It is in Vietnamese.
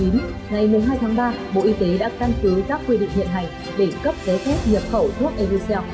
ngày hai tháng ba bộ y tế đã tăng cứu các quy định hiện hành để cấp giới phép nhập khẩu thuốc evucel